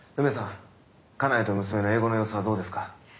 家内と娘の英語の様子はどうですか？